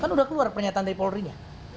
kan sudah keluar pernyataan dari polri nya